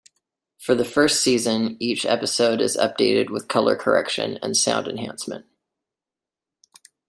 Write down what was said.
For the first season, each episode is updated with color correction and sound enhancement.